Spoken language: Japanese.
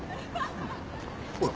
あっ。